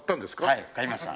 はい買いました。